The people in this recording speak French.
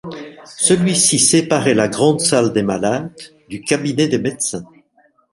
Celui-ci séparait la grande salle des malades du cabinet des médecins.